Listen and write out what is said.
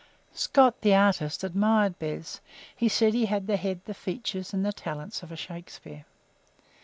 Scott, the artist, admired Bez; he said he had the head, the features, and the talent of a Shakespeare.